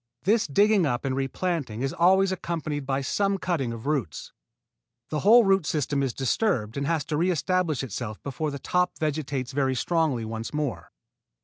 This digging up and replanting is always accompanied by some cutting of roots. The whole root system is disturbed and has to re establish itself before the top vegetates very strongly once more.